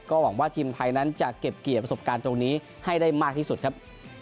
หวังว่าทีมไทยนั้นจะเก็บเกี่ยวประสบการณ์ตรงนี้ให้ได้มากที่สุดครับ